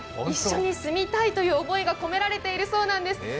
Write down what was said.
一緒に住みたいという思いが込められているそうなんです。